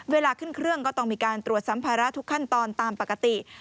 เวลาขึ้นเครื่องก็ต้องมีการตรวจซ้ำภาระทุกขั้นตอนตามปกติ